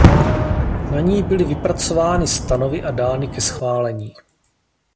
Na ní byly vypracovány stanovy a dány ke schválení.